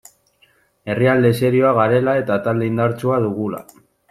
Herrialde serioa garela eta talde indartsua dugula.